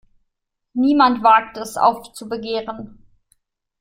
Niemand wagt es, aufzubegehren.